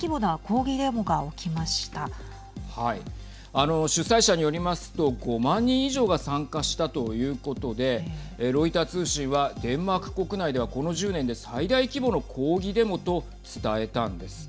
あの主催者によりますと５万人以上が参加したということでロイター通信はデンマーク国内ではこの１０年で最大規模の抗議デモと伝えたんです。